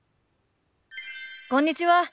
こんにちは。